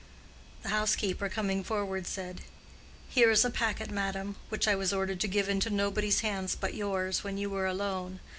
The housekeeper, coming forward, said, "Here is a packet, madam, which I was ordered to give into nobody's hands but yours, when you were alone.